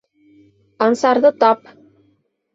Ансарҙы тап.